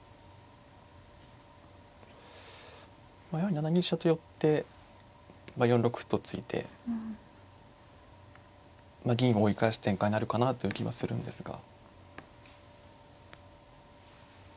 やはり７二飛車と寄って４六歩と突いて銀を追い返す展開になるかなという気はするんですが。